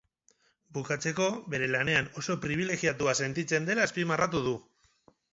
Bukatzeko, bere lanean oso pribilegiatua sentitzen dela azpimarratu du.